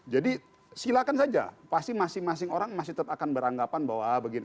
jadi silakan saja pasti masing masing orang masih tetap akan beranggapan bahwa begini